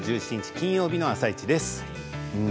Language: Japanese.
金曜日の「あさイチ」です。